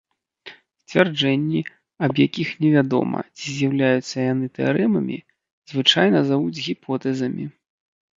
Сцвярджэнні, аб якіх невядома, ці з'яўляюцца яны тэарэмамі, звычайна завуць гіпотэзамі.